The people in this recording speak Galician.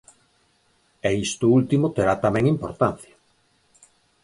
E isto último terá tamén importancia.